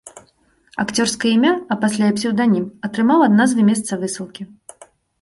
Акцёрскае імя, а пасля і псеўданім, атрымаў ад назвы месца высылкі.